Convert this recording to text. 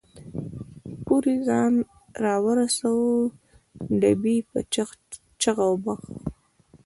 پورې ځان را ورساوه، ډبې په چغ او بغ.